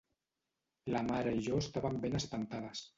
La mare i jo estàvem ben espantades.